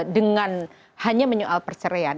dengan hanya menyoal perceraian